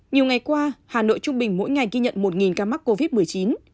nhiều ngày qua hà nội trung bình mỗi ngày ghi nhận một ca mắc covid một mươi chín